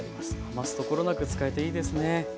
余すところなく使えていいですね。